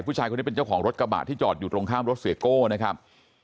ผู้ชายคนนี้เป็นเจ้าของรถกระบะที่จอดอยู่ตรงข้ามรถเสียโก้นะครับ